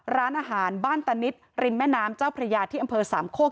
ร้านอาหารบ้านตานิดริมแม่น้ำเจ้าพระยาที่อำเภอสามโคก